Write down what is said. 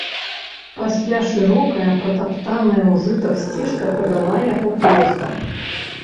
Пасля шырокая, пратаптаная ў жытах сцежка павяла яго проста.